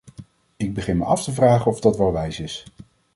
Ik begin me af te vragen of dat wel wijs is.